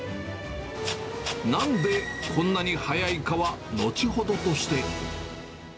なんでこんなに早いかは後ほどとして。